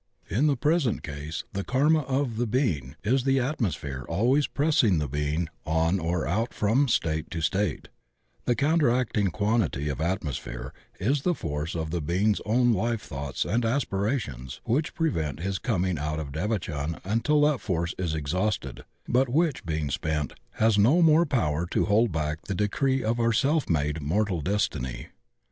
In the present case the karma of the being is the atmosphere always pressing the being no THE OCEAN OF THEOSOPHY on or out from state to state; the counteracting quan tity of atmosphere is the force of the being's own life thoughts and aspirations which prevent his coming out of devachan imtil that force is exhausted, but which being spent has no more power to hold back the decree of our self made mortal destiny.